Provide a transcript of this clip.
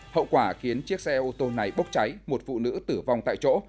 hậu quả khiến chiếc xe ô tô này bốc cháy một phụ nữ tử vong tại chỗ